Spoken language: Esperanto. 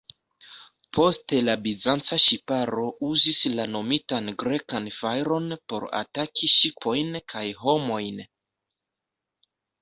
Poste la Bizanca ŝiparo uzis la nomitan Grekan fajron por ataki ŝipojn kaj homojn.